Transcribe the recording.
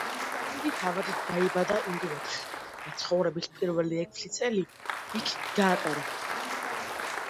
კიპლინგი თავად დაიბადა ინდოეთში და ცხოვრების პირველი ექვსი წელი იქ გაატარა.